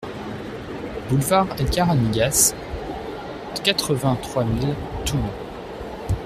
Boulevard Edgar Amigas, quatre-vingt-trois mille Toulon